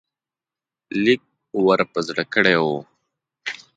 لیک ور په زړه کړی وو.